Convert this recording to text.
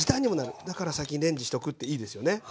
だから先にレンジしとくっていいですよね。